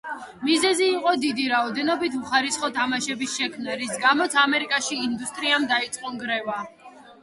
მიზეზი იყო დიდი რაოდენობით უხარისხო თამაშების შექმნა, რის გამოც ამერიკაში ინდუსტრიამ დაიწყო ნგრევა.